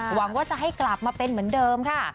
หวังว่าจะให้กลับมาเป็นเหมือนเดิมค่ะ